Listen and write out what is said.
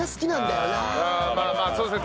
まあまあそうですね